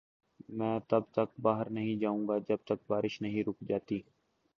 میں تب تک باہر نہیں جائو گا جب تک بارش نہیں رک جاتی۔